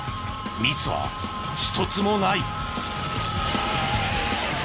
ミスは一つもない。